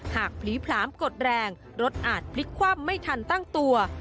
ผลีผลามกดแรงรถอาจพลิกคว่ำไม่ทันตั้งตัว